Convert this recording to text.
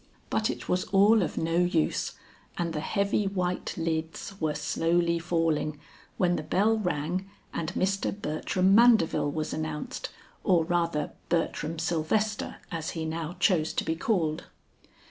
But it was all of no use, and the heavy white lids were slowly falling, when the bell rang and Mr. Bertram Mandeville was announced, or rather Bertram Sylvester as he now chose to be called.